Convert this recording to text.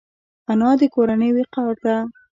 انا د کورنۍ وقار ده